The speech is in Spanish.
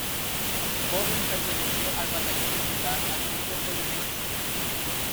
Joven perteneció al Batallón militar Activo Colimense.